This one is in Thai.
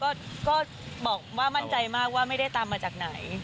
ผู้พิทยาวินก็บอกว่ามั่นใจมากไม่ได้ตามมาจากไหน